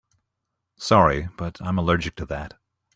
Sorry but I'm allergic to that.